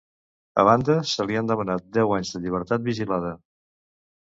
A banda, se li han demanat deu anys en llibertat vigilada.